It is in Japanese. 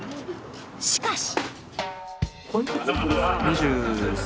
しかし。